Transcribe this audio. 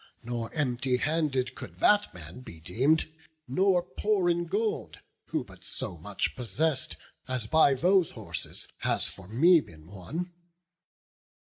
Not empty handed could that man be deem'd, Nor poor in gold, who but so much possess'd As by those horses has for me been won.